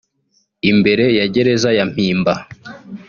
Imbere ya gereza ya Mpimba